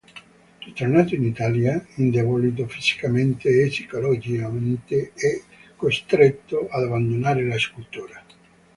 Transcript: Ritornato in Italia, indebolito fisicamente e psicologicamente, è costretto ad abbandonare la scultura.